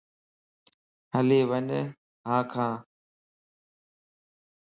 ھلي وڄ ھاکان